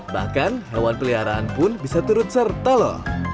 bahkan hewan peliharaan pun bisa turut serta loh